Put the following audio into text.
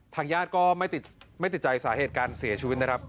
ทางญาติก็ไม่ติดใจสาเหตุการเสียชีวิตนะครับ